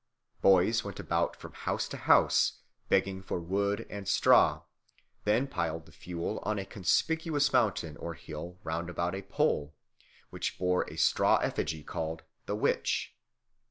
Boys went about from house to house begging for wood and straw, then piled the fuel on a conspicuous mountain or hill round about a pole, which bore a straw effigy called "the witch."